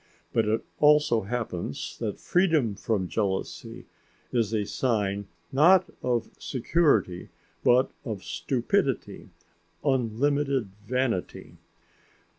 But it also happens that freedom from jealousy is a sign not of security but of stupidity, unlimited vanity.